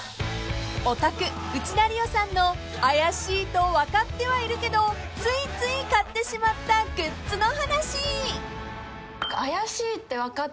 ［オタク内田理央さんの怪しいと分かってはいるけどついつい買ってしまったグッズの話］